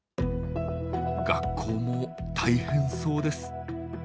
学校も大変そうです。